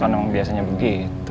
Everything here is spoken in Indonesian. kan emang biasanya begitu